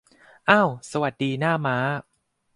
เอ้า สวัสดี หน้าม้า